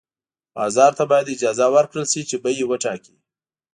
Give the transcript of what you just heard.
بازار ته باید اجازه ورکړل شي چې بیې وټاکي.